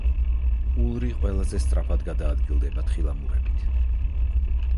ულრი ყველაზე სწრაფად გადაადგილდება თხილამურებით.